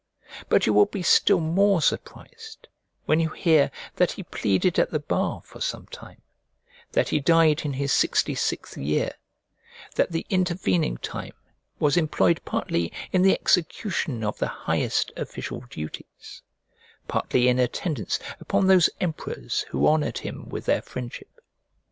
But you will be still more surprised when you hear that he pleaded at the bar for some time, that he died in his sixty sixth year, that the intervening time was employed partly in the execution of the highest official duties, partly in attendance upon those emperors who honoured him with their friendship.